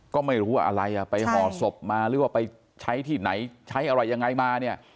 ก็ไม่รู้ว่าอะไรอ่ะไปห่อศพมาหรือว่าไปใช้ที่ไหนใช้อะไรยังไงมาเนี่ย